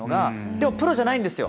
でもプロじゃないんですよ。